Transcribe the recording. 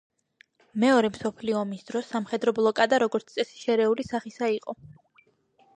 მეორე მსოფლიო ომის დროს სამხედრო ბლოკადა, როგორც წესი, შერეული სახისა იყო.